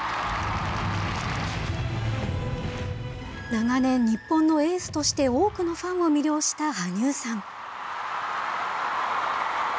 長年、日本のエースとして多くのファンを魅了した羽生さん。